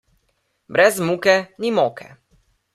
Brez muke ni moke.